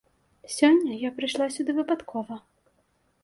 Сёння я прыйшла сюды выпадкова.